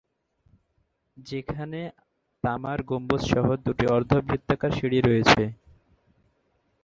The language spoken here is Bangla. যেখানে তামার গম্বুজ সহ দুটি অর্ধবৃত্তাকার সিঁড়ি রয়েছে।